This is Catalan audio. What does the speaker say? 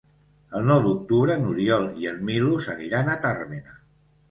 El nou d'octubre n'Oriol i en Milos aniran a Tàrbena.